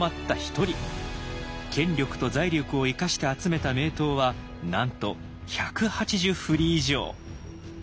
権力と財力を生かして集めた名刀はなんと１８０振り以上。